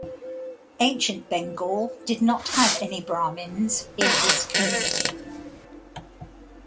Ancient Bengal did not have any Brahmins in its community.